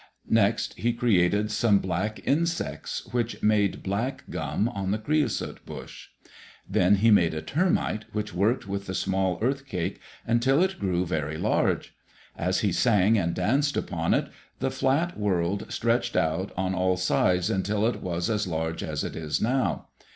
Next he created some black insects which made black gum on the creosote bush. Then he made a termite which worked with the small earth cake until it grew very large. As he sang and danced upon it, the flat World stretched out on all sides until it was as large as it is now.